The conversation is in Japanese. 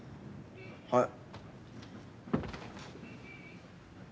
はい。